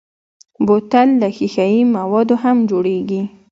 بوتل له ښیښهيي موادو هم جوړېږي.